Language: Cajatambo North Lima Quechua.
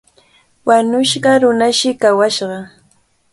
Wañushqa runashi kawashqa.